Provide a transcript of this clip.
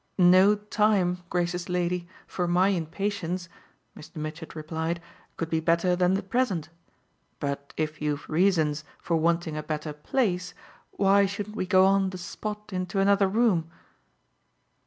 "No 'time,' gracious lady, for my impatience," Mr. Mitchett replied, "could be better than the present but if you've reasons for wanting a better place why shouldn't we go on the spot into another room?"